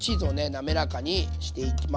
なめらかにしていきます。